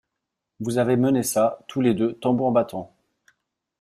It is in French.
Vous avez mené ça, tous les deux, tambour battant!